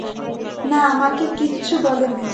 না, আমাকে কিচ্ছু বলেনি।